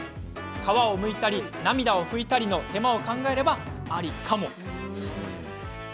皮をむいたり涙を拭いたりの手間を考えれば、ありかも？